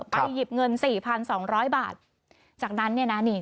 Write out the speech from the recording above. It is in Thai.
ไปหยิบเงินสี่พันสองร้อยบาทจากนั้นเนี่ยนะนี่